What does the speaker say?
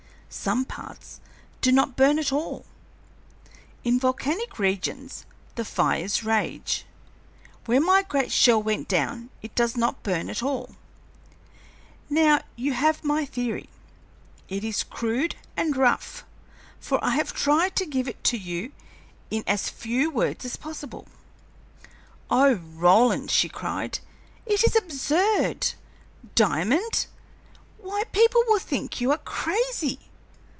Some parts do not burn at all. In volcanic regions the fires rage; where my great shell went down it does not burn at all. Now you have my theory. It is crude and rough, for I have tried to give it to you in as few words as possible." "Oh, Roland," she cried, "it is absurd! Diamond! Why, people will think you are crazy.